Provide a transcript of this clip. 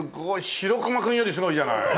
白熊くんよりすごいじゃない。